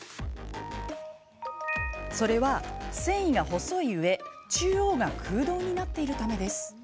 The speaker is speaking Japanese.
それは、繊維が細いうえ中央が空洞になっているためです。